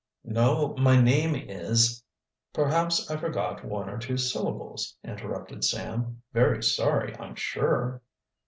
"No, my name is " "Perhaps I forgot one or two syllables," interrupted Sam. "Very sorry, I'm sure."